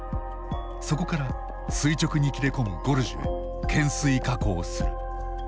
そこから垂直に切れ込むゴルジュへ懸垂下降する。